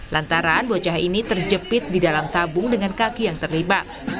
lantaran bocah ini terjepit di dalam tabung dengan kaki yang terlibat